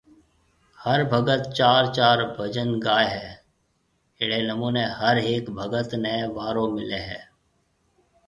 هر ڀگت چار چار بجن گائيَ هيَ اهڙيَ نمونيَ هر هيڪ ڀگت نيَ وارو مليَ هيَ